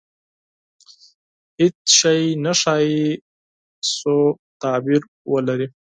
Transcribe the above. • هېڅ شی نه ښایي، سوء تعبیر ولري.